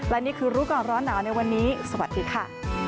และนี่คือรู้ก่อนร้อนหนาวในวันนี้สวัสดีค่ะ